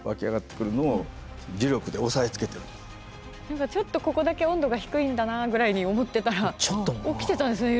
何かちょっとここだけ温度が低いんだなあぐらいに思ってたら起きてたんですね